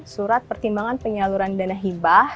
surat pertimbangan penyaluran dana hibah